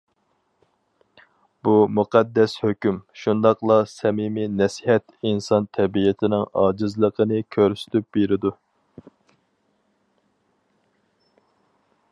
بۇ مۇقەددەس ھۆكۈم، شۇنداقلا سەمىمىي نەسىھەت ئىنسان تەبىئىتىنىڭ ئاجىزلىقىنى كۆرسىتىپ بېرىدۇ.